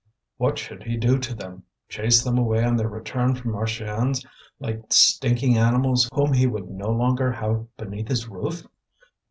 What should he do to them? Chase them away on their return from Marchiennes, like stinking animals whom he would no longer have beneath his roof?